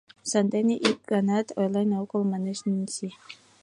Сандене ик ганат ойлен огыл, — манеш Ненси.